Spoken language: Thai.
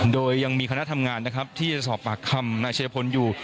โดยยังมีคณะทำงานนะครับที่จะสอบปากคำนายชัยพลอยู่